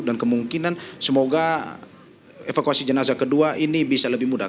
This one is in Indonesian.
dan kemungkinan semoga evakuasi jenazah kedua ini bisa lebih mudah